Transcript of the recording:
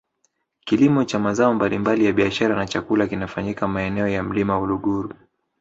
kilimo cha mazao mbalimbali ya biashara na chakula kinafanyika maeneo ya mlima uluguru